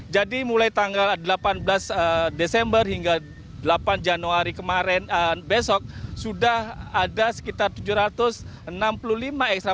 jadi mulai tanggal delapan belas desember hingga delapan januari kemarin dan besok sudah ada sekitar tujuh ratus enam puluh lima ekstra